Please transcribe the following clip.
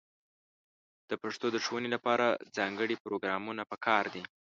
د پښتو د ښوونې لپاره ځانګړې پروګرامونه په کار دي.